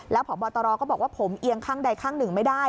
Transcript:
พบตรก็บอกว่าผมเอียงข้างใดข้างหนึ่งไม่ได้